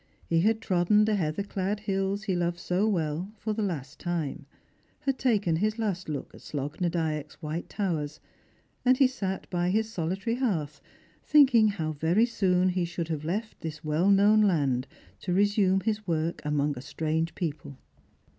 He had trodden the heather clad hills he loved so well for the last time; had taken his last look at Slogh na Dyack's white towers ; and he sat by his solitary hearth thinking how very soon he should have left this well known land to resume his work among a strange people.